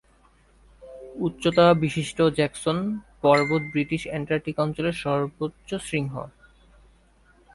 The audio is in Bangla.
উচ্চতা বিশিষ্ট জ্যাকসন পর্বত ব্রিটিশ অ্যান্টার্কটিক অঞ্চলের সর্বোচ্চ শৃঙ্গ।